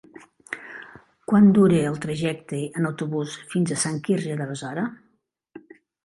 Quant dura el trajecte en autobús fins a Sant Quirze de Besora?